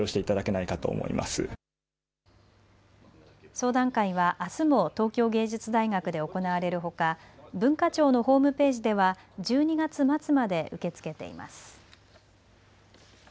相談会はあすも東京藝術大学で行われるほか文化庁のホームページでは１２月末まで受け付けています。